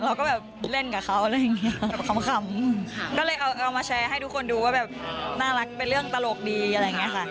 เราก็แบบเล่นกับเขาอะไรอย่างนี้ขำก็เลยเอามาแชร์ให้ทุกคนดูว่าแบบน่ารักเป็นเรื่องตลกดีอะไรอย่างนี้ค่ะ